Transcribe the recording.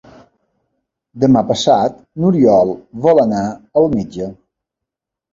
Demà passat n'Oriol vol anar al metge.